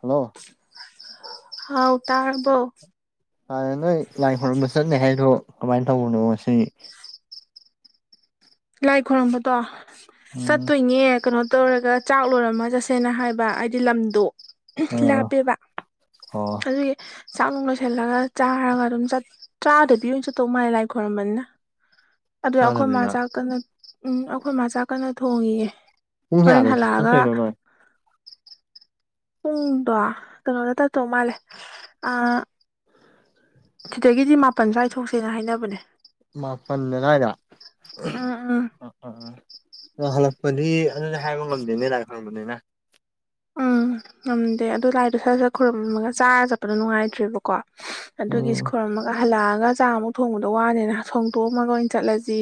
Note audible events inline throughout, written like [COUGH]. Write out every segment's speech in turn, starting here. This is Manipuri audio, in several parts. ꯍꯜꯂꯣ ꯍꯥꯎ ꯇꯥꯔꯕꯣ ꯁꯥꯏꯒ ꯅꯣꯏ ꯂꯥꯏ ꯈꯣꯏꯔꯝꯕ ꯆꯠꯅꯦ ꯍꯥꯏꯗꯣ ꯀꯃꯥꯏꯅ ꯇꯧꯕꯅꯣ ꯁꯤꯅꯤ ꯂꯥꯏ ꯈꯣꯏꯔꯝꯕꯗꯣ ꯎꯝ ꯆꯠꯇꯣꯏꯅꯦ ꯀꯩꯅꯣ ꯇꯧꯔꯒ ꯆꯥꯛ ꯂꯣꯏꯔꯝꯃ ꯆꯠꯁꯦꯅ ꯍꯥꯏꯕ ꯍꯥꯏꯗꯤ ꯂꯝꯗꯣ ꯑꯥ ꯂꯥꯞꯄꯦꯕ ꯑꯣ ꯑꯗꯨꯒꯤ ꯆꯥꯛ ꯅꯨꯡ ꯂꯣꯏꯁꯜꯂꯒ ꯆꯥꯔꯒ ꯑꯗꯨꯝ ꯆꯠ ꯆꯥꯗꯕꯤ ꯑꯣꯏꯅ ꯆꯠꯇꯧ ꯃꯥꯥꯜꯂꯦ ꯂꯥꯏ ꯈꯣꯏꯔꯝꯕꯅꯤꯅ ꯑꯗꯨꯗ ꯑꯩ ꯈꯣꯏ ꯃ ꯥ ꯆꯥꯗꯕꯤꯗ ꯆꯥꯥꯛ ꯀꯟꯅ ꯎꯝ ꯑꯩꯈꯣꯏ ꯃꯥ ꯆꯥꯥꯛ ꯀꯟꯅ ꯊꯣꯡꯉꯤꯌꯦ ꯄꯨꯡ ꯍꯣꯔꯦꯟ ꯀꯌꯥꯗ ꯍꯜꯂꯛꯑꯒ ꯆꯠꯇꯣꯏꯅꯣ ꯅꯣꯏ ꯄꯨꯡꯗꯣ ꯀꯩꯅꯣꯗ ꯇꯠꯇꯧ ꯃꯥꯜꯂꯦ ꯑꯥ ꯁꯤꯗꯒꯤꯗꯤ ꯃꯥꯄꯟ ꯁ꯭ꯋꯥꯏ ꯊꯣꯛꯁꯦꯅ ꯍꯥꯏꯅꯕꯅꯦ ꯃꯥꯄꯟ ꯑꯗ꯭ꯋꯥꯏꯗ ꯎꯝ ꯑꯥ ꯑꯥ ꯇ ꯍꯜꯂꯛ ꯄꯗꯤ ꯑꯗꯨꯗꯤ ꯍꯥꯏꯕ ꯉꯝꯗꯦꯅꯦ ꯂꯥꯏ ꯈꯨꯔꯝꯕꯝꯅꯤꯅ ꯎꯝ ꯉꯝꯗꯦ ꯑꯗꯨ ꯂꯥꯏꯗꯣ ꯁꯠ ꯁꯠ ꯈꯨꯔꯨꯝꯃꯒ ꯆꯥꯔ ꯆꯠꯄꯗꯣ ꯅꯨꯡꯉꯥꯏꯇ꯭ꯔꯦꯕꯀꯣ ꯑꯗꯨ ꯒꯤꯁ ꯎꯝ ꯈꯣꯔꯝꯃꯒꯥ ꯍꯜꯂꯛꯑꯒ ꯆꯥ ꯑꯃꯨꯛ ꯊꯣꯡꯕꯗꯣ ꯋꯥꯅꯤꯅ ꯊꯣꯡꯗꯣꯛꯑꯝꯃꯒ ꯑꯣꯏꯅ ꯆꯠꯂꯁꯤ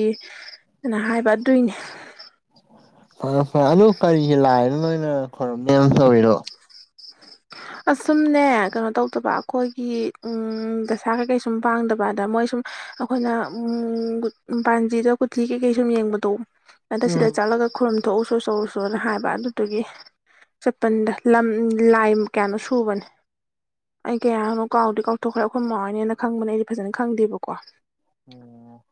ꯅ ꯍꯥꯏꯕ ꯑꯗꯨꯏꯅꯤ ꯐꯔꯦ ꯐꯔꯦ ꯑꯗꯨ ꯀꯔꯤꯒꯤ ꯂꯥꯏꯅꯣ ꯅꯣꯏꯅ ꯈꯣꯔꯝ ꯅꯦꯅ ꯇꯧꯔꯤꯗꯣ [INAUDIBLE] ꯑꯁꯨꯝꯅꯦ ꯀꯩꯅꯣ ꯇꯧꯗꯕ ꯑꯈꯣꯏꯒꯤ ꯎꯝ ꯗꯁꯥ ꯀꯩꯀꯩ ꯁꯨꯝ ꯄꯥꯡꯗꯕ ꯑꯗ ꯃꯣꯏ ꯁꯨꯝ ꯑꯈꯣꯏꯅ ꯎꯝ ꯒꯨꯠ ꯄꯥꯟꯖꯤꯗ ꯀꯨꯊꯤ ꯀꯩꯀꯩ ꯁꯨꯝ ꯌꯦꯡꯕꯗꯣ ꯑꯗ ꯎꯝ ꯁꯤꯗ ꯆꯠꯂꯒ ꯈꯨꯔꯝ ꯊꯣꯛꯎꯁꯨ ꯆꯧꯁꯣꯅ ꯍꯥꯏꯕ ꯑꯗꯨꯗꯨꯒꯤ ꯆꯠꯄꯟꯗ ꯂꯝ ꯂꯥꯏꯃ ꯀꯌꯥꯅꯣ ꯁꯨꯕꯅꯦ ꯑꯩ ꯀꯌꯥꯅꯣ ꯀꯥꯎꯗꯤ ꯀꯥꯎꯊꯣꯛꯈ꯭ꯔꯦ ꯑꯈꯣꯏ ꯃꯥ ꯍꯣꯏꯅ ꯍꯦꯟꯅ ꯈꯪꯕꯅꯦ ꯑꯩꯗꯤ ꯐꯖꯅ ꯈꯪꯗꯦꯕꯀꯣ ꯑꯣ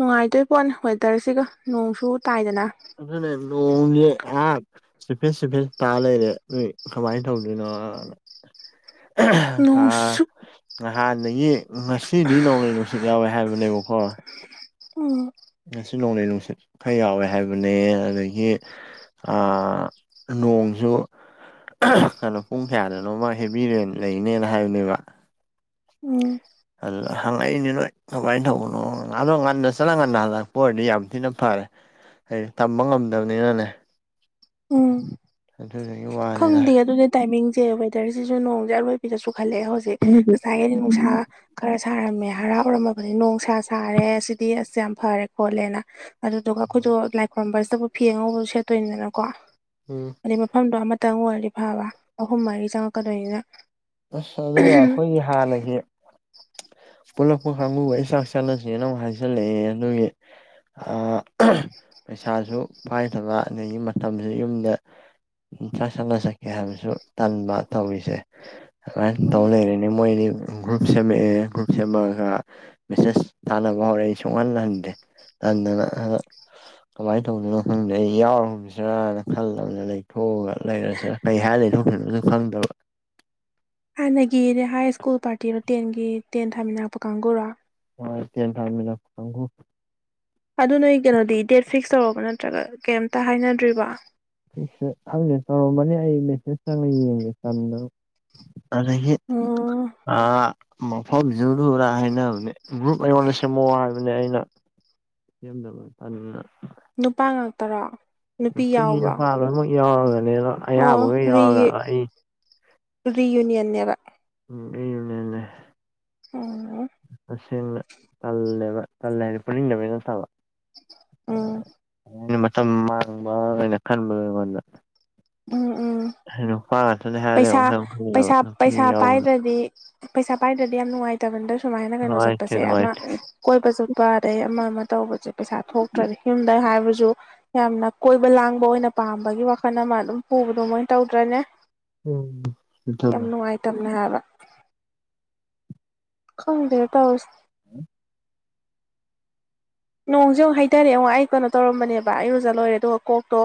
ꯅꯨꯡꯉꯥꯏꯗꯣꯏ ꯄꯣꯠꯅꯦ ꯋꯦꯗꯔꯁꯤꯒ ꯅꯣꯡꯁꯨ ꯇꯥꯏꯗꯅ ꯑꯗꯨꯅꯦ ꯅꯣꯡꯖꯦ ꯑꯥ ꯁꯨꯐꯦꯠ ꯁꯨꯐꯦꯠ ꯇꯥ ꯂꯩꯔꯦ ꯑꯗꯨꯏ ꯀꯃꯥꯏꯅ ꯇꯧꯗꯣꯏꯅꯣꯅ ꯑꯥ ꯅꯣꯡꯁꯨ ꯍꯥ ꯅꯌꯦ ꯉꯁꯤꯗꯤ ꯅꯣꯡꯂꯩ ꯅꯨꯡꯁꯤꯠ ꯌꯥꯎꯋꯦ ꯍꯥꯏꯕꯅꯦꯕꯀꯣ ꯑꯣ ꯉꯁꯤ ꯅꯣꯡꯂꯩ ꯅꯨꯡꯁꯤꯠ ꯈꯔ ꯌꯥꯎꯋꯦ ꯍꯥꯏꯕꯅꯦ ꯑꯗꯒꯤ ꯅꯣꯡꯁꯨ ꯀꯩꯅꯣ ꯄꯨꯡ ꯀꯌꯥꯗꯅꯣꯃ ꯍꯦꯕꯤꯔꯦ ꯂꯩꯅꯦꯅ ꯍꯥꯏꯕꯅꯦꯕ ꯎꯝ ꯑꯗꯨꯗ ꯍꯪꯉꯛꯏꯅꯤ ꯅꯣꯏ ꯀꯃꯥꯏꯅ ꯇꯧꯕꯅꯣꯗꯣ ꯉꯟꯅ ꯆꯠꯅ ꯉꯟꯅ ꯍꯜꯂꯛꯄ ꯑꯣꯏꯔꯗꯤ ꯌꯥꯝ ꯊꯤꯅ ꯐꯔꯦ ꯍꯥꯏꯗꯤ ꯇꯝꯕ ꯉꯝꯗꯕꯅꯤꯅꯅꯦ ꯎꯝ ꯑꯗꯨꯗꯨꯒꯤ ꯋꯥꯅꯤꯗ ꯈꯪꯗ ꯑꯗꯨꯗꯤ ꯇꯥꯏꯃꯤꯡꯁꯦ ꯋꯦꯗꯔꯁꯤꯁꯨ ꯅꯣꯡꯁꯦ ꯑꯔꯣꯏꯕꯤꯗꯁꯨꯨꯈꯜꯂꯛꯑꯦ ꯍꯧꯖꯤꯛ ꯉꯁꯥꯏꯒꯤꯗꯤ ꯅꯨꯡꯁꯥ ꯈꯔ ꯁꯥꯔꯝꯃꯦ ꯍꯥꯔꯥꯎꯔꯝꯃꯕꯗꯤ ꯅꯣꯡꯁꯥ ꯁꯥꯔꯦ ꯁꯤꯗꯤ ꯑꯁ ꯌꯥꯝ ꯐꯔꯦ ꯈꯣꯠꯂꯦꯅ ꯑꯗꯨꯗꯨꯒ ꯑꯩꯈꯣꯏꯗꯣ ꯂꯥꯏ ꯈꯨꯣꯏꯔꯨꯝꯝꯕꯕꯁꯤꯗꯕꯨ ꯐꯤ ꯑꯉꯧꯕꯗ ꯁꯦꯠꯇꯣꯏꯅꯤꯗꯅꯀꯣ ꯎꯝ ꯑꯗꯩ ꯃꯐꯝꯗꯣ ꯑꯃꯇꯪ ꯑꯣꯏꯔ ꯐꯕ ꯑꯍꯨꯝ ꯃꯔꯤ ꯆꯪꯉꯛꯀꯗꯣꯏꯅꯤꯅ ꯑꯁ ꯑꯗꯨꯒ ꯑꯩꯈꯣꯏꯒꯤ ꯍꯥꯟꯅꯁ ꯄꯨꯜꯂꯛꯄ ꯀꯥꯡꯕꯨꯒ ꯑꯩ ꯆꯥꯛ ꯆꯥꯅꯁꯦꯅ ꯑꯃꯨꯛ ꯍꯥꯏꯖꯜꯂꯛꯑꯦ ꯑꯗꯨꯒꯤ ꯄꯩꯁꯥꯁꯨ ꯄꯥꯏꯗꯕ ꯑꯗꯒꯤ ꯃꯇꯝꯁꯨ ꯌꯨꯝꯗ ꯁꯥꯛ ꯁꯥꯟꯅ ꯁꯛꯀꯦ ꯍꯥꯏꯕꯁꯨ ꯇꯟꯕ ꯇꯧꯔꯤꯁꯦ ꯇꯧ ꯂꯩꯔꯦꯅꯦ ꯃꯣꯏꯗꯤ ꯒ꯭ꯔꯨꯞ ꯁꯦꯝꯃꯛꯑꯦ ꯒ꯭ꯔꯨꯞ ꯁꯦꯝꯃꯛꯑꯒ ꯃꯦꯁꯦꯁ ꯇꯥꯅꯕ ꯍꯧꯔꯛꯦ ꯑꯩ ꯁꯨꯡꯍꯜꯍꯟꯗꯦ ꯇꯟꯗꯅ ꯍꯗ ꯀꯃꯥꯏꯅ ꯇꯧꯗꯅꯣ ꯈꯪꯗꯦ ꯑꯩ ꯌꯥꯎꯔꯅꯤꯁꯤꯔꯅ ꯈꯜꯂꯕꯅ ꯂꯩꯊꯣꯛꯑꯒ ꯂꯩꯔꯁꯤꯔꯥ ꯀꯩ ꯍꯥꯏꯜꯂꯤ ꯅꯣꯣꯏꯅꯣ ꯑꯗꯨꯝ ꯈꯪꯗꯕ ꯍꯥꯟꯅꯒꯤꯗꯤ ꯍꯥꯏ ꯁ꯭ꯀꯨꯜ ꯄꯥꯔꯇꯤꯗꯣ ꯇꯦꯟꯒꯤ ꯇꯦꯟ ꯊꯥꯃꯤꯟꯅꯔꯛꯄ ꯀꯥꯡꯕꯨꯔꯣ ꯍꯣꯏ ꯊꯔꯃꯤꯂꯪꯒ ꯑꯗꯨ ꯅꯣꯏ ꯀꯩꯅꯣꯗꯤ ꯗꯦꯠ ꯐꯤꯛꯁ ꯇꯧꯔꯕ ꯅꯠꯇ꯭ꯔꯒ ꯀꯩꯝꯇ ꯍꯥꯏꯅꯗ꯭ꯔꯤꯕ ꯁꯦ ꯑꯗꯨꯅꯦ ꯇꯧꯔꯝꯕꯅꯤ ꯑꯩ ꯃꯦꯁꯦꯖ ꯆꯪꯉ ꯌꯦꯡꯒꯦ ꯆꯗ ꯑꯗꯒꯤ ꯎꯝ ꯑ ꯃꯐꯝꯁꯤꯗꯨꯔ ꯍꯥꯏꯅꯕꯅꯦ ꯒ꯭ꯔꯨꯞ ꯑꯩꯉꯣꯟꯗ ꯁꯦꯝꯃꯛꯛꯑꯣ ꯍꯥꯏꯕꯅꯦ ꯑꯩꯅ ꯁꯦꯝꯗꯅꯕ ꯇꯥꯟꯗꯨꯅ ꯅꯨꯄꯥ ꯉꯥꯛꯇꯔꯣ ꯅꯨꯄꯤ ꯅꯨꯄꯥ ꯂꯣꯏꯅꯃꯛ ꯌꯥꯎꯔꯕꯅꯤꯅ ꯑꯣꯔꯤ ꯌꯨꯅꯤꯟꯔ ꯎꯝ ꯎ ꯑꯣ ꯇꯁꯦꯡꯅ ꯇꯜꯂꯦꯕ ꯇꯜꯂꯦ ꯍꯥꯏꯅ ꯄꯨꯅꯤꯡꯗꯃꯤꯅ ꯇꯥꯕ ꯎꯝ ꯑꯩꯅ ꯃꯇꯝ ꯃꯥꯡꯕ ꯑꯣꯏꯅ ꯈꯟꯕ ꯑꯩꯉꯣꯟꯗ ꯎꯝ ꯎꯝ ꯍꯂꯣ ꯍ ꯑꯗꯨ ꯄꯩꯁꯥ ꯄꯩꯁꯥ ꯄꯩꯁꯥ ꯄꯥꯏꯗ꯭ꯔꯗꯤ ꯄꯩꯁꯥ ꯄꯥꯏꯗ꯭ꯔꯗꯤ ꯌꯥꯝ ꯅꯨꯡꯉꯥꯏꯇꯕꯗ ꯁꯨꯃꯥꯏꯅ ꯀꯩꯅꯣ ꯅꯨꯡꯉꯥꯏꯇꯦ ꯆꯠꯄꯁꯦ ꯑꯃ ꯅꯨꯡꯉꯥꯏꯇꯦ ꯀꯣꯏꯕ ꯆꯠꯄ ꯑꯗꯩ ꯑꯃ ꯑꯃ ꯇꯧꯕꯁꯦ ꯄꯩꯁꯥ ꯊꯣꯛꯇ꯭ꯔꯗꯤ ꯌꯨꯝꯗꯪ ꯍꯥꯏꯕꯁꯨ ꯌꯥꯝꯅ ꯀꯣꯏꯕ ꯂꯥꯡꯕ ꯑꯣꯏꯅ ꯄꯥꯝꯕꯒꯤ ꯋꯥꯈꯜ ꯑꯃ ꯑꯗꯨꯝ ꯄꯨꯕꯗꯣ ꯃꯣꯏꯅ ꯇꯧꯗ꯭ꯔꯅꯦ ꯎꯝ ꯌꯥꯝ ꯏꯊꯣꯏꯕ ꯅꯨꯡꯉꯥꯏꯇꯕꯅꯦ ꯍꯥꯏꯕ ꯈꯪꯗꯦ ꯇ ꯎꯝ ꯅꯣꯡꯁꯦꯨꯛ ꯍꯩꯔꯦ ꯑꯣꯉ ꯑꯩ ꯀꯩꯅꯣ ꯇꯧꯔꯝꯕꯅꯦꯕ ꯑꯩ ꯑꯣꯖꯥ ꯂꯣꯏꯔꯦ ꯑꯗꯨꯒ ꯀꯣꯛꯇꯣ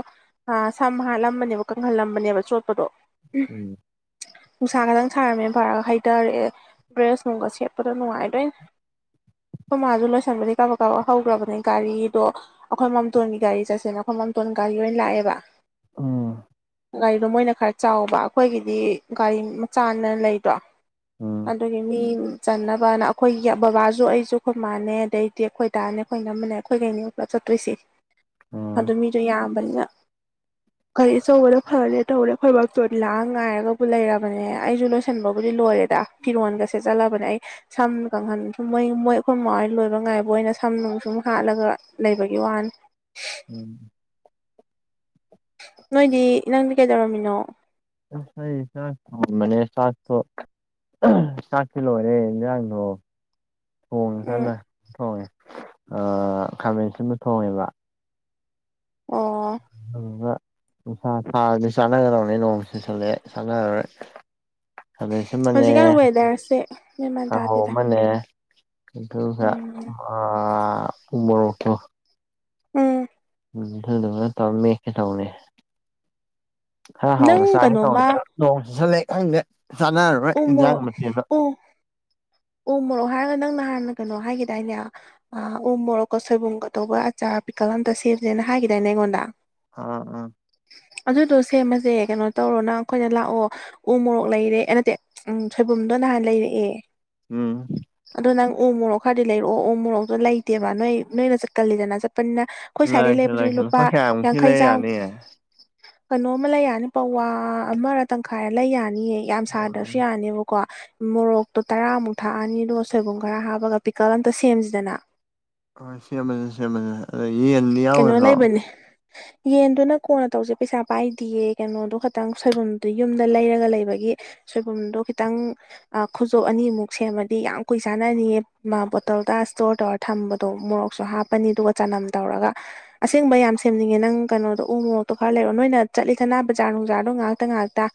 ꯁꯝ ꯍꯥꯠꯂꯝꯕꯅꯦꯕ ꯀꯪꯍꯜꯂꯝꯕꯅꯦꯕ ꯆꯣꯠꯄꯗꯣ ꯎꯝ ꯅꯨꯡꯁꯥ ꯈꯛꯇꯪ ꯁꯥꯔꯝꯃꯦꯅ ꯐꯔꯒ ꯍꯩꯊꯔꯦ ꯕ꯭ꯔꯦꯁ ꯅꯨꯡꯒ ꯁꯦꯠꯄꯗꯣ ꯅꯨꯡꯉꯥꯏꯗꯣꯏꯅꯦ ꯑꯩꯈꯣꯏ ꯃꯥꯁꯨ ꯂꯣꯏꯁꯟꯕꯗꯤ ꯀꯥꯕ ꯀꯛꯋꯣ ꯍꯧꯈ꯭ꯔꯕꯅꯦ ꯒꯥꯔꯤꯗꯣ ꯑꯩꯈꯣꯏ ꯃꯥꯝꯇꯣꯟꯒꯤ ꯒꯥꯔꯤ ꯆꯠꯁꯦꯅ ꯑꯩꯈꯣꯏ ꯃꯥꯝꯇꯣꯟ ꯒꯥꯔꯤ ꯂ ꯑꯣꯏꯅ ꯂꯥꯛꯑꯦꯕ ꯑꯥ ꯒꯥꯔꯤꯗꯣ ꯃꯣꯏꯅ ꯈꯔ ꯆꯥꯎꯕ ꯑꯩꯈꯣꯏꯒꯤꯗꯤ ꯒꯥꯔꯤ ꯃꯆꯥꯅ ꯂꯩꯗ꯭ꯔꯣ ꯎꯝ ꯑꯗꯨꯒꯤ ꯃꯤ ꯆꯟꯅꯅꯕꯅ ꯑꯩꯈꯣꯏ ꯕꯕꯥꯁꯨ ꯑꯩꯁꯨ ꯑꯩꯈꯣꯏ ꯃꯥꯟꯅꯩ ꯑꯗꯩꯗꯤ ꯑꯩꯈꯣꯏ ꯇꯥꯔꯅꯦ ꯑꯩꯈꯣꯏꯅ ꯑꯃꯅꯦ ꯑꯩꯈꯣꯏꯈꯩꯅꯦ ꯄꯨꯂꯞ ꯆꯠꯇꯣꯏꯁꯤ ꯎꯝ ꯑꯗꯨ ꯃꯤꯗꯣ ꯌꯥꯝꯕꯅꯤꯅ ꯀꯩ ꯁꯒꯔ ꯐꯔ ꯇꯧꯔꯦ ꯑꯩꯈꯣꯏꯕꯛꯇꯣ ꯂꯥꯛꯑ ꯉꯥꯏꯔꯒꯕꯨ ꯂꯩꯔꯕꯅꯦ ꯑꯩꯁꯨ ꯂꯣꯏꯁꯤꯟꯕꯕꯨꯗꯤ ꯂꯣꯏꯂꯦ ꯗ ꯐꯤꯔꯣꯟꯒꯁꯦ ꯆꯠꯂꯕꯅꯦ ꯑꯩ ꯁꯝ ꯀꯪꯍꯟꯕ ꯃꯣꯏ ꯃꯣꯏ ꯑꯩꯈꯣꯏ ꯃ ꯂꯣꯏꯕ ꯉꯥꯏꯕ ꯑꯣꯏꯅ ꯁꯝ ꯅꯨꯡ ꯁꯨꯝ ꯍꯥꯠꯂꯒ ꯂꯩꯕꯒꯤ ꯋꯥꯅꯤ ꯎꯝ ꯅꯣꯏꯗꯤ ꯅꯪꯗꯤ ꯀꯩꯗꯧꯔꯝꯃꯤꯅꯣ ꯁ ꯃꯅꯤ ꯁꯋꯥꯁ ꯆꯥꯛꯇꯤ ꯂꯣꯏꯔꯦ ꯏꯔꯥꯡꯗꯣ ꯊꯣꯡꯉꯦ ꯎꯝ ꯍꯅ ꯊꯣꯡꯉꯦ ꯈꯥꯃꯦꯟꯁꯤꯕ ꯊꯣꯡꯉꯦꯕ ꯑꯣ ꯅꯨꯡꯁꯥ ꯊꯥꯔꯗꯤ ꯆꯥꯟꯅꯒꯗꯕꯅꯤ ꯅꯣꯡ ꯆꯨꯁꯜꯂꯛꯑꯦ ꯆꯥꯟꯅꯔꯔꯣꯏ [UNINTELLIGIBLE] ꯑꯃꯅꯦ ꯍꯧꯖꯤꯛꯀꯥꯟ ꯋꯦꯗꯔꯁꯦ ꯃꯦꯟ ꯃꯥꯟ ꯀꯥꯡꯍꯧ ꯇꯥꯗꯦꯗ ꯑꯃꯅꯦ ꯀꯇ ꯎꯝ ꯑ ꯃꯣꯔ ꯀꯦꯜꯣ ꯎꯝ ꯎꯝꯗꯅ ꯇꯧꯔꯃꯦ ꯀ ꯇꯧꯅꯦ ꯍ ꯅꯪ ꯍꯥꯎꯅ ꯆꯥꯅꯤ ꯇꯅꯤ ꯀꯩꯅꯣꯃ ꯑꯣ ꯁꯂꯦꯛ ꯈꯪꯗꯦ ꯆꯥꯟꯅꯔꯔꯣꯏ ꯎ ꯏꯟꯖꯥꯡ ꯃꯊꯦꯜꯗ ꯑꯣ ꯃꯣꯔꯣꯛ ꯍꯥꯏꯔꯒ ꯅꯪ ꯅꯍꯥꯟꯅ ꯀꯩꯅꯣ ꯍꯥꯏꯒꯦꯗꯥꯏꯅꯦ ꯑ ꯎꯝ ꯃꯣꯔꯣꯛꯀ ꯁꯣꯏꯕꯨꯝꯒꯗꯧꯕ ꯑꯆꯥꯔ ꯄꯤꯀꯜ ꯑꯇ ꯁꯦꯝꯁꯦꯅ ꯍꯥꯏꯈꯤꯗꯥꯏꯅꯦ ꯑꯩꯉꯣꯟꯗ ꯑ ꯎꯝ ꯑꯗꯨꯗꯣ ꯁꯦꯝꯃꯁꯦ ꯀꯩꯅꯣ ꯇꯧꯔꯣ ꯅꯪ ꯑꯩꯈꯣꯏꯅ ꯂꯥꯛꯑꯣ ꯎ ꯃꯣꯔꯣꯛ ꯂꯩꯔꯦ ꯅꯠꯇꯦ ꯎ ꯁꯣꯏꯕꯨꯝꯗꯣ ꯅꯍꯥꯟ ꯂꯩꯔꯛꯑꯦ ꯎꯝ ꯑꯗꯣ ꯅꯪ ꯎ ꯃꯣꯔꯣꯛ ꯈꯔꯗꯤ ꯂꯩꯔꯛꯑꯣ ꯎ ꯃꯣꯔꯣꯛꯇꯣ ꯂꯩꯇꯦꯕ ꯅꯣꯏ ꯅꯣꯏꯅ ꯆꯠꯀꯜꯂꯤꯗꯅ ꯆꯠꯄꯅꯤꯅ ꯑꯩꯈꯣꯏ ꯁꯥꯏꯗꯩ ꯂꯩꯔꯁꯤ ꯂꯩꯕꯕꯁꯤ ꯂꯩꯔꯁꯤ ꯂꯨꯄꯥ ꯀꯌꯥꯃꯨꯛꯀꯤ ꯌꯥꯡꯈꯩ ꯂꯩ ꯆꯥꯡ ꯌꯥꯅꯤ ꯀꯩꯅꯣ ꯑꯃ ꯂꯩ ꯌꯥꯅꯤ ꯄꯋꯥ ꯑꯃꯔ ꯇꯪꯈꯥꯏꯔ ꯂꯩ ꯌꯥꯅꯤꯌꯦ ꯌꯥꯝ ꯁꯥꯗ꯭ꯔꯁꯨ ꯌꯥꯅꯤꯕꯀꯣ ꯃꯣꯔꯣꯛꯇꯣ ꯇꯔꯥꯃꯨꯛ ꯊꯥꯛꯑꯅꯤ ꯑꯗꯨꯒ ꯁꯣꯏꯕꯨꯝ ꯈꯔ ꯍꯥꯞꯄꯒ ꯄꯤꯀꯜ ꯑꯝꯇ ꯁꯦꯝꯁꯤꯗꯅ ꯍꯣꯏ ꯁꯦꯝꯃꯅꯤꯦ ꯁꯦꯝꯃꯅꯤꯦ ꯀꯩꯅꯣꯂ ꯏꯕꯅꯤ ꯌꯦꯟꯗꯨꯅ ꯀꯣꯟꯅ ꯇꯧꯁꯦ ꯄꯩꯁꯥ ꯄꯥꯏꯗꯤꯌꯦ ꯀꯩꯅꯣꯗꯣ ꯈꯇꯪ ꯁꯣꯏꯕꯨꯝꯗꯨ ꯌꯨꯝꯗ ꯂꯩꯔꯒ ꯂꯩꯕꯒꯤ ꯁꯣꯏꯕꯨꯝꯗꯣ ꯈꯤꯇꯪ ꯈꯨꯖꯣꯞ ꯑꯅꯤꯃꯨꯛ ꯁꯦꯝꯃꯗꯤ ꯌꯥꯝ ꯀꯨꯏ ꯆꯥꯅꯅꯤꯌꯦ ꯃꯥ ꯕꯣꯇꯜꯗ ꯏꯁꯇꯣꯔ ꯇꯧꯔ ꯊꯝꯕꯗꯣ ꯃꯣꯔꯣꯛꯁꯨ ꯍꯥꯞꯄꯅꯤ ꯑꯗꯨꯒ ꯆꯅꯝ ꯇꯧꯔꯒ ꯑꯁꯦꯡꯕ ꯌꯥꯝ ꯁꯦꯝꯅꯤꯡꯉꯦ ꯅꯪ ꯀꯩꯅꯣꯗꯣ ꯎ ꯃꯣꯔꯣꯛꯇꯣ ꯈꯔ ꯂꯩꯔꯣ ꯅꯣꯏꯅ ꯆꯠꯂꯤꯗꯅ ꯕꯖꯥꯔ ꯅꯨꯡꯥꯗꯣ ꯉꯥꯏꯥꯛꯇ ꯉꯥꯏꯥꯛꯇ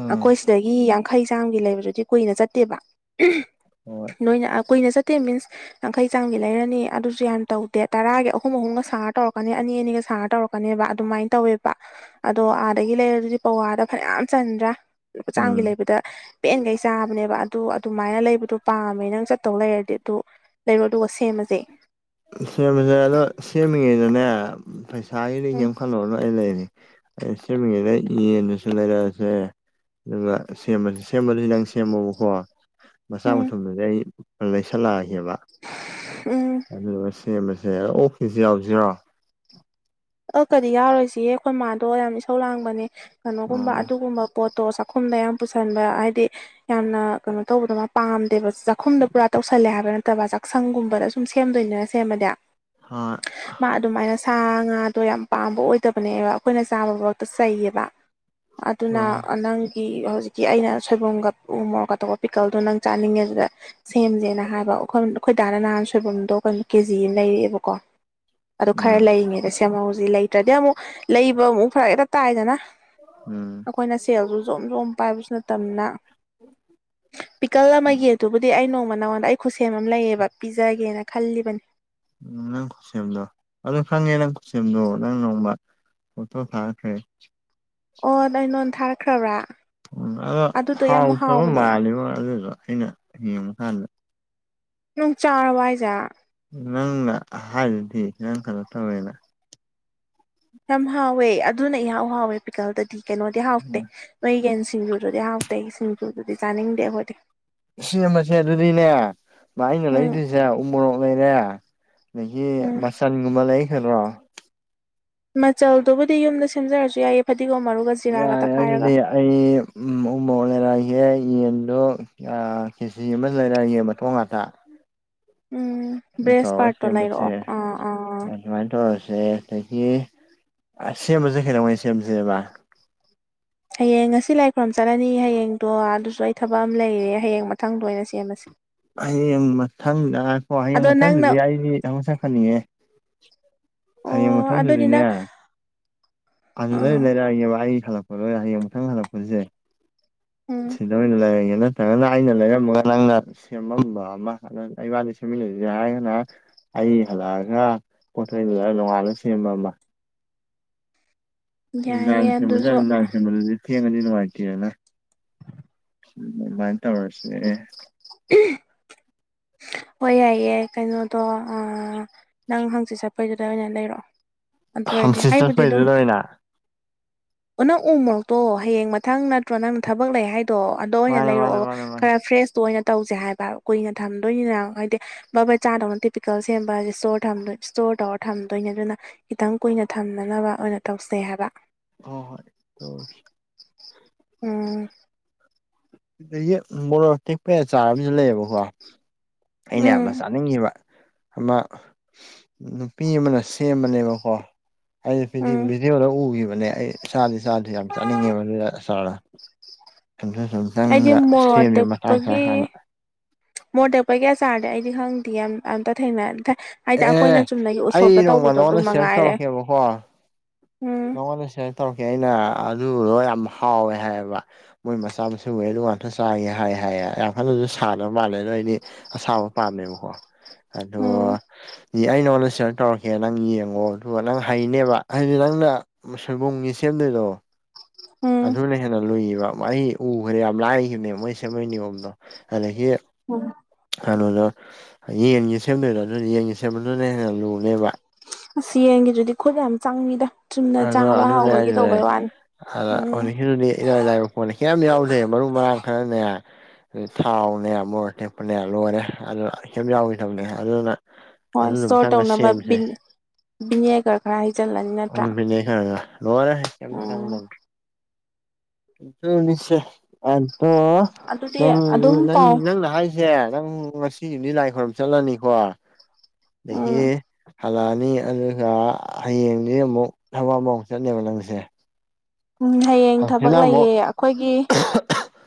ꯎꯝ ꯑꯩꯈꯣꯏ ꯁꯤꯗꯒꯤ ꯌꯥꯡꯈꯩ ꯆꯥꯝꯒꯤ ꯂꯩꯕꯗꯨꯗꯤ ꯀꯨꯏꯅ ꯆꯠꯇꯦꯕ ꯍꯣꯏ ꯅꯣꯏꯅ ꯀꯨꯏꯅ ꯆꯠꯇꯦ ꯃꯤꯟꯁ ꯌꯥꯡꯈꯩ ꯆꯥꯡꯝꯒꯤ ꯂꯩꯔꯅꯤ ꯑꯗꯨꯁꯨ ꯌꯥꯝ ꯇꯧꯗꯦ ꯇꯔꯥꯒꯤ ꯑꯨꯝ ꯑꯍꯨꯝ ꯑꯍꯨꯝꯒ ꯁꯥꯔ ꯇꯧꯔꯛꯀꯅꯤ ꯑꯅꯤ ꯑꯅꯤꯒ ꯁꯥꯔ ꯇꯧꯔꯛꯀꯅꯦꯕ ꯑꯗꯨꯃꯥꯏꯅ ꯇꯧꯋꯦꯕ ꯑꯗꯣ ꯑꯥꯗꯒꯤ ꯂꯩꯔ ꯑꯗꯨꯗꯤ ꯄꯋꯥꯗ ꯐꯅꯌꯥꯝ ꯆꯟꯗ꯭ꯔꯥ ꯂꯨꯄꯥ ꯆꯥꯝꯒꯤ ꯎꯝ ꯂꯩꯕꯗ ꯄꯦꯟꯈꯩ ꯆꯥꯕꯅꯦꯕ ꯑꯗꯨ ꯑꯗꯨꯃꯥꯏꯅ ꯂꯩꯕꯗꯣ ꯄꯥꯝꯃꯦ ꯅꯪ ꯆꯠꯇꯧ ꯂꯩꯔꯗꯤ ꯑꯗꯨ ꯂꯩꯔꯣ ꯑꯗꯨꯒ ꯁꯦꯝꯃꯖꯩ ꯁꯦꯝꯕꯁꯦ ꯑꯗꯣ ꯁꯦꯝꯃꯤꯉꯩꯗꯅꯦ ꯄꯩꯁꯥꯒꯤꯗꯤ ꯎꯝ ꯌꯥꯝꯈꯠꯂꯛꯅ ꯑꯩ ꯂꯩꯔꯤ ꯑꯩ ꯁꯦꯝꯃꯤꯉꯦꯅꯦ ꯌꯦꯟꯗꯁꯨ ꯂꯩꯔꯛꯑꯁꯦ ꯑꯗꯨꯒ ꯁꯦꯝꯕꯁ ꯁꯦꯝꯕꯁꯨ ꯅꯪ ꯁꯦꯝꯃꯣꯕꯀꯣ ꯃꯆꯥ ꯎꯝ ꯃꯊꯨꯝꯗꯨꯗꯤ ꯑꯩ ꯂꯩꯁꯜꯂꯛꯑꯒꯦꯕ ꯎꯝ ꯑꯗꯨ ꯃ ꯁꯦꯝ ꯃꯁꯦ ꯑꯣꯐꯤꯁ ꯌꯥꯎꯁꯤꯔꯣ ꯑ ꯀꯗꯤ ꯌꯥꯎꯔꯣꯏꯁꯤ ꯑꯩꯈꯣꯏ ꯃꯥꯗꯣ ꯌꯥꯝ ꯏꯁꯧ ꯂꯥꯡꯕꯅꯦ ꯀꯩꯅꯣꯒꯨꯝꯕ ꯑꯣ ꯑꯗꯨꯒꯨꯝꯕ ꯄꯣꯠꯇꯣ ꯆꯥꯛꯈꯨꯝꯗ ꯌꯥꯝ ꯄꯨꯁꯤꯟꯕ ꯍꯥꯏꯗꯤ ꯌꯥꯝꯅ ꯀꯩꯅꯣ ꯇꯧꯕꯗꯣ ꯃꯥ ꯄꯥꯝꯗꯦꯕ ꯆꯥꯛꯈꯨꯝꯗꯣ ꯄꯨꯔꯥ ꯇꯧꯁꯜꯂꯦ ꯍꯥꯏꯕ ꯅꯠꯇꯕ ꯆꯥꯛꯁꯪꯒꯨꯝꯕꯗ ꯁꯨꯝ ꯁꯦꯝꯗꯣꯏꯅꯤꯅ ꯁꯦꯝꯃꯗꯤ ꯍꯣꯏ ꯃꯥ ꯑꯗꯨꯃꯥꯏꯅ ꯁꯥ ꯉꯥꯗꯣ ꯌꯥꯝ ꯄꯥꯝꯕ ꯑꯣꯏꯗꯕꯅꯦꯕ ꯑꯩꯈꯣꯏꯅ ꯆꯥꯕ ꯆꯩꯌꯦꯕ ꯑꯗꯨꯅ ꯑꯣ ꯅꯪ ꯍꯧꯖꯤꯛꯀꯤ ꯑꯩꯅ ꯁꯣꯏꯕꯨꯝꯒ ꯎ ꯃꯣꯔꯣꯛꯀꯇꯄ ꯄꯤꯛꯀꯜꯗꯣ ꯅꯪ ꯆꯥꯅꯤꯡꯉꯦ ꯑꯗꯨꯗ ꯁꯦꯝꯁꯦꯅ ꯍꯥꯏꯕ ꯑꯩꯈꯣꯏ ꯑꯩꯈꯣꯏꯗꯥꯅ ꯅꯍꯥꯟ ꯁꯣꯏꯕꯨꯝꯗꯣ ꯀꯩꯅꯣ ꯀꯦꯖꯤ ꯑꯃ ꯂꯩꯔꯛꯑꯦꯕꯀꯣ ꯑꯗꯨ ꯈꯔ ꯎꯝ ꯂꯩꯔꯤꯉꯩꯗ ꯁꯦꯝꯍꯧꯁꯤ ꯂꯩꯇ꯭ꯔꯗꯤ ꯑꯃꯨꯛ ꯂꯩꯕ ꯑꯃꯨꯛ ꯐꯔ ꯍꯦꯛꯇ ꯇꯥꯏꯗꯅ ꯎꯝ ꯑꯩꯈꯣꯏꯅ ꯁꯦꯜꯁꯨ ꯖꯣꯝ ꯖꯣꯝ ꯄꯥꯏꯕꯁꯨ ꯅꯠꯇꯕꯅ ꯄꯤꯀꯜ ꯑꯃꯒꯤ ꯑꯗꯨꯕꯨꯗꯤ ꯑꯩ ꯅꯣꯡꯃ ꯅꯣꯟꯗ ꯑꯩ ꯈꯨꯠꯁꯦꯝ ꯑꯃ ꯂꯩꯌꯦꯕ ꯄꯤꯖꯒꯦꯅ ꯈꯜꯂꯤꯕꯅꯤ ꯎ ꯅꯪ ꯈꯨꯠꯁꯦꯝꯗꯣ ꯑꯗꯨ ꯈꯪꯉꯦ ꯅꯪ ꯈꯨꯠꯁꯦꯝꯗꯣ ꯅꯪ ꯅꯣꯡꯃ ꯑꯣꯊꯣ ꯊꯥ ꯍꯦ ꯑꯣꯗ ꯑꯩ ꯅꯣꯟ ꯊꯥꯔꯛꯈ꯭ꯔꯕ꯭ꯔꯥ ꯎ ꯑꯗꯣ ꯑꯗꯨꯗꯣ ꯌꯥꯝ ꯍꯥꯎꯖꯕ ꯍꯥꯎꯕꯅꯦ ꯃꯥꯜꯂꯤꯕ ꯑꯗꯨꯗꯣ ꯑꯩꯅ ꯌꯦꯡꯕ ꯀꯥꯟꯗ ꯅꯨꯡ ꯆꯥꯔꯕꯏꯖꯥ ꯅꯪꯅ ꯍꯥꯏꯔꯗꯤ ꯅꯪ ꯀꯩꯅꯣ ꯇꯧꯋꯦꯅ ꯌꯥꯝ ꯍꯥꯎꯋꯦ ꯑꯗꯨꯅ ꯏꯍꯥꯎ ꯍꯥꯎꯋꯦ ꯄꯤꯀꯜꯗꯗꯤ ꯀꯩꯅꯣꯗꯤ ꯍꯥꯎꯇꯦ ꯃꯣꯏ ꯌꯦꯟꯁꯤꯡꯗꯨ ꯑꯗꯨꯗꯤ ꯍꯥꯎꯇꯩ ꯁꯤꯡꯖꯨꯗꯨꯗꯤ ꯆꯥꯅꯤꯡꯗꯦ ꯑꯩꯈꯣꯏꯗꯤ ꯁꯦꯝꯕꯁꯦ ꯑꯗꯨꯗꯤꯅꯦ ꯃꯥ ꯑꯩꯅ ꯎꯝ ꯂꯩꯗꯣꯏꯁꯦ ꯎ ꯃꯣꯔꯣꯛ ꯂꯩꯔꯦ ꯑꯗꯒꯤ ꯎꯝ ꯃꯆꯟꯒꯨꯝꯕ ꯂꯩꯈ꯭ꯔꯣ ꯃꯆꯜꯗꯨꯕꯨꯗꯤ ꯌꯨꯝꯗ ꯁꯦꯝꯖꯔꯁꯨ ꯌꯥꯏꯌꯦ ꯐꯗꯤꯒꯣꯝ ꯃꯔꯨꯒ ꯖꯤꯔꯥꯒ ꯌꯥꯔꯦ ꯇꯛꯈꯥꯏꯔꯒ ꯑꯗꯨꯗꯤ ꯑꯩ ꯎꯃꯣꯛ ꯂꯩꯔꯛꯑꯒꯦ ꯌꯦꯟꯗꯨꯣ ꯀꯦꯖꯤ ꯑꯃꯁꯨ ꯂꯩꯔ ꯌꯦꯡꯕꯊꯣꯡ ꯉꯥꯛꯇ ꯎꯝ ꯑꯗꯨ ꯕ꯭ꯔꯦꯁ ꯇꯧꯔꯒ ꯄꯥꯔꯠꯇꯣ ꯂꯩꯔꯛꯑꯣ ꯁꯦꯝꯕꯁꯦ ꯑꯥ ꯑꯥ ꯑꯗꯨꯃꯥꯏꯅ ꯇꯧꯔꯁꯦ ꯑꯗꯒꯤ ꯑ ꯁꯦꯝꯕꯁꯦ ꯀꯩꯗꯧꯉꯩ ꯁꯦꯝꯁꯦꯕ ꯍꯌꯦꯡ ꯉꯁꯤ ꯂꯥꯏ ꯈꯨ꯭ꯔꯔꯝ ꯆꯠꯂꯅꯤ ꯍꯌꯦꯡꯗꯣ ꯑꯗꯨꯁꯨ ꯑꯩ ꯊꯕꯛ ꯑꯃ ꯂꯩꯔꯦ ꯍꯌꯦꯡ ꯃꯊꯪꯗꯣ ꯑꯣꯏꯅ ꯁꯦꯝꯃꯁꯦ ꯍꯌꯦꯡ ꯃꯊꯪꯗꯀꯣ ꯍꯌꯦꯡ ꯑꯗꯣ ꯅꯪꯅ ꯃꯊꯪꯗꯨꯗꯤ ꯑꯩꯗꯤ ꯊꯣ ꯁꯛ ꯐꯟꯅꯤꯡꯉꯦ ꯑꯣ ꯍꯌꯦꯡ ꯑꯗꯨꯗꯤ ꯃꯊꯪꯖꯗꯅꯦ ꯅꯪ ꯑꯗꯨ ꯂꯣꯏ ꯑꯥ ꯂꯩꯔꯛꯏꯅꯦꯦꯕ ꯑꯩ ꯍꯜꯂꯛꯄ ꯂꯣꯏꯔꯦ ꯍꯌꯦꯡ ꯃꯨꯊꯪ ꯍꯜꯂꯛꯄꯁꯦ ꯎꯝ ꯅꯃꯤꯅ ꯂꯦ ꯅ ꯐꯅ ꯑꯩꯅ ꯂꯩꯔꯝꯃꯒ ꯅꯪꯅ ꯁꯦꯝꯃꯝꯕ ꯑꯃ ꯑꯗꯨ ꯂꯩ ꯋꯥꯗ ꯁꯦꯝꯃꯤꯟꯅꯔꯤꯁꯦ ꯍꯥꯏꯔꯒꯅ ꯑꯩ ꯍꯜꯂꯛꯑꯒ ꯄꯣꯊꯣꯏꯗꯨꯗ ꯂꯣꯡꯉꯥꯜꯂꯒ ꯁꯦꯝꯕ ꯑꯃ ꯂꯥꯡ ꯌꯥꯏꯌꯦ ꯁꯦꯝꯕꯜꯁꯦ ꯑꯗꯨꯁꯨ ꯑꯗꯨ ꯂꯥꯡ ꯁꯦꯝꯕꯜꯗꯤ ꯊꯦꯡꯉꯗꯤ ꯅꯨꯡꯉꯥꯏꯇꯦꯔꯦꯅ ꯎꯥꯏꯟ ꯇ ꯋꯥꯔꯁꯦ ꯍꯣꯏ ꯌꯥꯏꯌꯦꯏ ꯀꯩꯅꯣꯗꯣ ꯅꯪ ꯍꯪꯆꯤꯠ ꯆꯠꯄꯩꯗꯨꯗ ꯑꯣꯏꯅ ꯂꯩꯔꯛꯑꯣ ꯑꯗꯨ ꯑꯣꯏꯔꯗꯤ ꯍꯪꯆꯤꯠ ꯑꯩꯕꯨꯗꯤ ꯑꯗꯨꯝ ꯆꯠꯄꯩꯗꯨꯗ ꯑꯣꯏꯅ ꯑꯣ ꯅꯪ ꯎꯃꯣꯛꯛꯇꯣ ꯍꯌꯦꯡ ꯃꯊꯪ ꯅꯠꯇ꯭ꯔꯣ ꯅꯪꯅ ꯊꯕꯛ ꯂꯩ ꯍꯥꯏ ꯑꯣ ꯑꯗꯣ ꯑꯣꯏꯅ ꯃꯥꯅꯦ ꯃꯥꯅꯦ ꯂꯩꯔꯛꯑꯣ ꯃꯥꯅꯦ ꯃꯥꯅꯦ ꯈꯔ ꯐ꯭ꯔꯦꯁꯇꯣ ꯑꯣꯏꯅ ꯇꯧꯁꯦ ꯍꯥꯏꯕ ꯀꯨꯏꯅ ꯊꯝꯗꯣꯏꯅꯤꯅ ꯍꯥꯏꯗꯤ ꯕꯕꯥꯔ ꯆꯥꯗꯧꯅ ꯄꯤꯀꯦꯜ ꯁꯦꯝꯕ ꯍꯥꯏꯗꯤ ꯏꯁꯇ ꯏꯁꯇꯣꯔ ꯇꯧꯔ ꯊꯝꯗꯣꯏꯅꯦ ꯑꯗꯨꯅ ꯈꯤꯇꯪ ꯀꯨꯏꯅ ꯊꯝꯅꯅꯕ ꯑꯣꯏꯅ ꯇꯧꯁꯦ ꯍꯥꯏꯕ ꯍ ꯍꯣꯏ ꯇꯧꯔꯁꯤ ꯎꯝ ꯗꯒꯤ ꯃꯣꯔꯣꯛ ꯇꯦꯛꯄ ꯆꯥꯔ ꯑꯃꯁꯨ ꯂꯩꯌꯦꯕꯀꯣ ꯑꯩꯅ ꯌꯥꯝꯅ ꯎꯝ ꯆꯥꯅꯤꯡꯈꯤꯕ ꯑꯃ ꯅꯨꯄꯤ ꯑꯃꯅ ꯁꯦꯝꯕꯅꯦꯕꯀꯣ ꯑꯩ ꯎꯝ ꯕꯤꯗꯤꯌꯣꯗ ꯎꯈꯤꯕꯅꯦ ꯑꯩ ꯆꯥꯗꯤ ꯆꯥꯗꯔꯤ ꯌꯥꯝ ꯆꯥꯅꯤꯡꯉꯦꯕ ꯑꯗꯨꯢ ꯑꯆꯥꯔꯗꯣ ꯁꯨꯝꯊꯪ ꯑꯩꯗꯤ ꯁꯨꯝꯊꯪꯒ ꯃꯣꯔꯣꯛ ꯁꯦꯝꯁꯦ ꯃꯇꯥꯡ ꯆꯥꯔ ꯀꯥꯟꯗ ꯃꯣꯔ ꯇꯦꯛꯄꯒꯤ ꯑꯆꯥꯥꯔꯗꯤ ꯑꯩꯗꯤ ꯈꯪꯗꯦ ꯑꯝꯇ ꯊꯦꯡꯅꯗꯦ ꯍꯥꯏꯗꯤ ꯑꯦ ꯑꯩꯈꯣꯏꯅ ꯆꯨꯝꯅꯒꯤ ꯎꯠꯁꯣꯞꯇ ꯑꯩ ꯅꯣꯡꯃ ꯇꯧꯕꯗꯣ ꯑꯗꯨꯝ ꯅꯉꯣꯟꯗ ꯁꯤꯌꯔ ꯃꯉꯥꯏꯔꯦ ꯎꯝ ꯅꯉꯣꯟꯗ ꯁꯤꯌꯔ ꯇꯧꯔꯛꯀꯦ ꯑꯩꯅ ꯑꯗꯨꯗꯣ ꯌꯥꯝ ꯍꯥꯎꯋꯦ ꯍꯥꯏꯌꯦꯕ ꯃꯣꯏ ꯃꯆꯥ ꯃꯁꯨ ꯉꯩꯗꯨ ꯑꯗꯨ ꯉꯥꯛꯇ ꯆꯥꯉꯦ ꯍꯥꯏ ꯍꯥꯏ ꯌꯥꯝ ꯀꯅꯁꯨ ꯁꯥꯗꯕ ꯃꯥꯜꯂꯦ ꯅꯣꯢꯅꯤ ꯑꯁꯥꯕ ꯄꯥꯝꯃꯦꯕꯀꯣ ꯑꯗꯨ ꯎꯝ ꯑꯩ ꯅꯉꯣꯟ ꯁꯦꯌꯔ ꯇꯧꯔꯛꯀꯦ ꯅꯪ ꯌꯦꯡꯉꯣ ꯑꯗꯨꯒ ꯅꯪ ꯍꯩꯅꯦꯕ ꯍꯥꯏꯗꯤ ꯅꯪꯅ ꯁꯣꯏꯕꯨꯝꯒꯤ ꯁꯦꯝꯗꯣꯏꯗꯨ ꯎꯝ ꯑꯗꯨꯅ ꯍꯦꯟꯅ ꯂꯨꯏꯌꯦꯕ ꯑꯩ ꯎꯈ꯭ꯔꯦ ꯌꯥꯝ ꯂꯥꯏꯈꯤꯕꯅꯦ ꯃꯣꯏ ꯁꯦꯝꯕꯩ ꯅꯤꯌꯣꯝꯗꯣ ꯑꯗꯒꯤ [UNINTELLIGIBLE] ꯑꯗꯨꯗꯣ ꯌꯦꯟꯒꯤ ꯁꯦꯝꯗꯣꯏꯗꯨ ꯑꯗꯨꯅ ꯌꯦꯟꯒꯤ ꯁꯦꯝꯕꯗꯨꯅ ꯍꯦꯟꯅ ꯂꯨꯅꯦꯕ ꯑꯁ ꯌꯦꯟꯒꯤꯗꯨꯗꯤ ꯈꯨꯠ ꯌꯥꯝ ꯆꯪꯉꯤꯗ ꯆꯨꯝꯅ ꯑꯗꯣ ꯆꯥꯕ ꯑꯗꯨ ꯍꯥꯎꯕꯒꯤ ꯍꯥꯏꯁꯤꯅꯤ ꯇꯧꯕꯩ ꯋꯥꯅꯤ ꯑꯗꯣ ꯎꯝ ꯍꯧꯖꯤꯛꯀꯤꯗꯨꯗꯤ ꯢꯔꯥꯢ ꯂꯥꯢꯕ ꯄꯣꯠꯅꯤ ꯀꯦꯝ ꯌꯥꯎꯗꯦ ꯃꯔꯨ ꯃꯔꯥꯡ ꯈꯔꯅꯦ ꯑꯗꯨ ꯊꯥꯎꯅꯦ ꯃꯣꯔꯣꯛ ꯑꯇꯦꯛꯄꯅꯦ ꯂꯣꯏꯔꯦ ꯑꯗꯨꯅ ꯀꯦꯝ ꯌꯥꯥꯎꯈꯤꯗꯕꯅꯦ ꯑꯗꯨꯅ ꯍꯣꯏ ꯑꯗꯨꯗꯣ ꯏꯁꯇꯣꯔ ꯑꯝꯇꯪꯒ ꯇꯧꯅꯕ ꯁꯦꯝꯁꯦ ꯕꯤꯅꯤꯌꯥꯒꯔ ꯈꯔ ꯍꯩꯖꯜꯂꯅꯤ ꯎꯝ ꯕꯤꯅꯦꯒꯔꯒ ꯂꯣꯢꯔꯦ ꯀꯦꯝ ꯎꯝ ꯆꯪꯗꯝꯅꯤ ꯑꯗꯨꯅꯤꯁꯦ ꯑꯗꯣ ꯑꯗꯨꯗꯤ ꯅꯪ ꯑꯗꯨꯝ ꯅꯪ ꯄꯥꯎ ꯅꯪꯅ ꯍꯥꯏ ꯁꯦ ꯅꯪ ꯉꯁꯤꯑꯝꯗꯤ ꯂꯥꯏ ꯈꯣꯏꯔꯝ ꯆꯠꯂꯅꯤꯀꯣ ꯑꯗꯒꯤ ꯎꯝ ꯍꯜꯂꯛꯑꯅꯤ ꯑꯗꯨꯒ ꯍꯌꯦꯡꯗꯤ ꯑꯃꯨꯛ ꯊꯕꯛ ꯑꯃꯃꯣꯛ ꯆꯠꯅꯦꯕ ꯅꯪꯁꯦ ꯎꯝ ꯍꯌꯦꯡ ꯊꯕꯛ ꯍꯪꯆꯤꯠꯅ ꯑꯃꯨꯛ ꯂꯩꯌꯦ ꯑꯩꯈꯣꯏꯒꯤ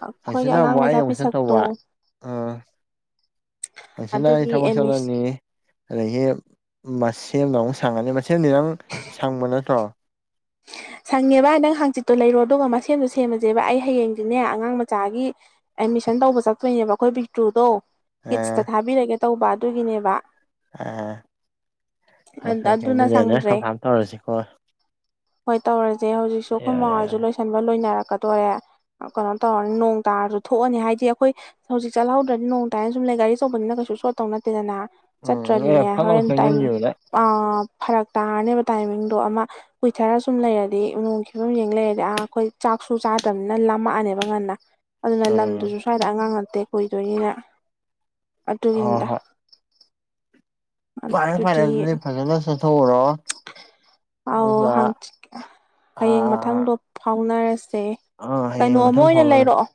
ꯑꯩꯈꯣꯏꯒꯤ ꯍꯪꯆꯤꯠꯅ ꯑꯉꯥꯡ ꯑꯃꯨꯛ ꯃꯆꯥ ꯑꯩ ꯑꯃꯨꯛ ꯄꯤꯁꯛꯇꯣ ꯆꯠꯇꯧꯕ ꯑꯥ ꯍꯪꯆꯤꯠꯅ ꯑꯩ ꯑꯗꯨꯒꯤ ꯊꯕꯛ ꯑꯦꯠꯃꯤꯁ ꯆꯠꯂꯅꯤ ꯑꯗꯒꯤ ꯃꯁꯦꯝꯗ ꯑꯃꯨꯛ ꯁꯪꯉꯅꯤ ꯃꯁꯦꯝꯗꯤ ꯅꯪ ꯁꯪꯕ ꯅꯠꯇ꯭ꯔꯣ [INAUDIBLE] ꯁꯪꯉꯦꯕ ꯅꯪ ꯍꯪꯆꯤꯠꯇꯨ ꯂꯩꯔꯣ ꯑꯗꯨꯒ ꯃꯁꯦꯝꯗꯣ ꯁꯦꯝꯃꯁꯦꯕ ꯑꯩ ꯍꯌꯦꯡꯗꯤꯅꯦ ꯑꯉꯥꯡ ꯃꯆꯥꯒꯤ ꯑꯦꯠꯃꯤꯁꯟ ꯇꯧꯕ ꯆꯠꯇꯣꯏꯅꯦꯕ ꯑꯩꯈꯣꯏ ꯄꯤꯛꯇ꯭ꯔꯨꯗꯣ ꯑꯥ ꯀꯤꯠꯁꯇ ꯊꯥꯕꯤꯔꯒꯦ ꯇꯧꯕ ꯑꯗꯨꯒꯤꯅꯦꯕ ꯑ ꯑꯣꯀꯦ ꯑꯣꯀꯦ ꯑꯗꯨꯅ ꯑꯗꯨꯅꯦ ꯁꯪꯗ꯭ꯔꯦ ꯀꯝꯐꯥꯝ ꯇꯧꯔꯁꯤꯀꯣ ꯍꯣꯏ ꯇꯧꯔꯁꯦ ꯍꯧꯖꯤꯛꯁꯨ ꯑꯈꯣꯏ ꯃꯥ ꯌꯥꯔꯦ ꯍꯣꯏꯁꯨ ꯌꯥꯔꯦ ꯂꯣꯏꯁꯟꯕ ꯂꯣꯏꯅꯔꯛꯀꯗꯣꯔꯦ ꯀꯩꯅꯣ ꯇꯧꯔꯅꯤ ꯅꯣꯡ ꯇꯥꯔꯁꯨ ꯊꯣꯛꯑꯅꯤ ꯍꯥꯏꯗꯤ ꯑꯩꯈꯣꯏ ꯍꯧꯖꯤꯛ ꯆꯠꯍꯧꯗ꯭ꯔꯗꯤ ꯅꯣꯡ ꯇꯥꯏꯅ ꯁꯨꯝ ꯂꯩ ꯒꯥꯔꯤ ꯑꯆꯧꯕꯅꯤꯅ ꯀꯩꯁꯨ ꯆꯣꯠꯇꯧ ꯅꯠꯇꯦꯗꯅ ꯎꯝ ꯑꯦ ꯆꯠꯇ꯭ꯔꯗꯤꯅꯦ ꯐꯠ ꯂꯥꯎ ꯍꯣꯔꯦꯟ ꯇꯥꯏꯃꯤꯡ ꯆꯪꯁꯤꯟꯈꯤꯕꯗ ꯐꯔꯛ ꯇꯥꯔꯅꯦꯕ ꯇꯥꯏꯃꯤꯡꯗꯣ ꯑꯃ ꯀꯨꯏꯊꯔ ꯁꯨꯝ ꯂꯩꯔꯗꯤ ꯅꯣꯡ ꯐꯤꯕꯝ ꯌꯦꯡ ꯂꯩꯔꯗꯤ ꯑꯥ ꯑꯩꯈꯣꯏ ꯆꯥꯛꯁꯨ ꯆꯥꯗꯝꯅꯤꯅ ꯂꯝꯃꯛꯑꯅꯦꯕ ꯉꯟꯅ ꯑꯗꯨꯅ ꯎꯝ ꯂꯝꯗꯨꯁꯨ ꯁ꯭ꯋꯥꯏꯗ ꯑꯉꯥꯡ ꯅꯠꯇꯦ ꯀꯨꯏꯗꯣꯏꯅꯤꯅ ꯍꯣꯏ ꯑꯗꯨꯒꯤꯅꯤꯗ ꯐꯥꯔꯦ ꯐꯥꯔꯦ ꯑꯗꯨꯗꯤ ꯐꯖꯅ ꯆꯠꯊꯣꯛꯎꯔꯣ ꯑꯧ ꯑꯗꯨꯒ ꯍꯪꯆꯤꯠ ꯍꯌꯦꯡ ꯑꯥ ꯃꯊꯪꯗꯣ ꯐꯥꯎꯅꯔꯁꯦ ꯑꯥ ꯀꯩꯅꯣ ꯍꯌꯦꯡ ꯑꯃ ꯃꯊꯪ ꯑꯣꯏꯅ ꯐꯥꯎꯅꯔꯁꯤ ꯂꯩꯔꯛꯑꯣ